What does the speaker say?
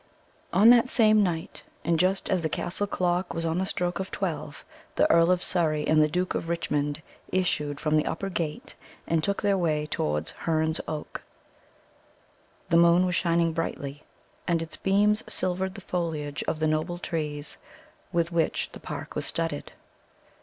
On that same night, and just as the castle clock was on the stroke of twelve, the Earl of Surrey and the Duke of Richmond issued from the upper gate, and took their way towards Herne's Oak. The moon was shining brightly, and its beams silvered the foliage of the noble trees with which the park was studded.